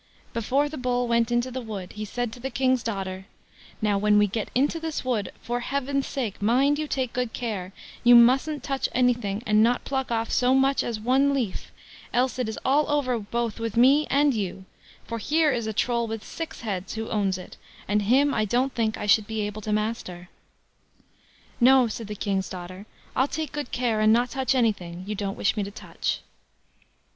Before the Bull went into the wood, he said to the King's daughter: "Now, when we get into this wood, for heaven's sake mind you take good care; you mustn't touch anything, and not pluck off so much as one leaf, else it is all over both with me and you; for here is a Troll with six heads who owns it, and him I don't think I should be able to master." "No", said the King's daughter; "I'll take good care and not touch anything you don't wish me to touch."